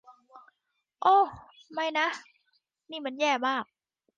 โอ้ ไม่นะ นี่มันแย่มาก